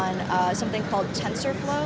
saya mengajar dengan tenser flow